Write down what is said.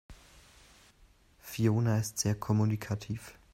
Fiona ist sehr kommunikativ.